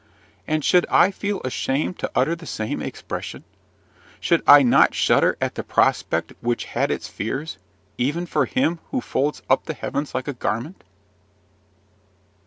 And should I feel ashamed to utter the same expression? Should I not shudder at a prospect which had its fears, even for him who folds up the heavens like a garment?